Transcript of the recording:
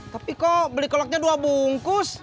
tapi kok beli kolaknya dua bungkus